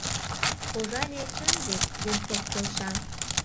Пожале, чын вет, — Венцов келша.